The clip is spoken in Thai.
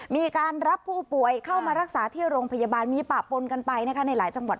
มีการรับผู้ป่วยเข้ามารักษาที่โรงพยาบาลมีปะปนกันไปนะคะในหลายจังหวัด